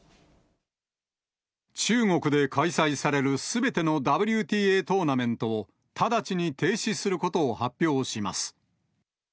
中国で開催されるすべてのＷＴＡトーナメントを、直ちに停止することを発表します。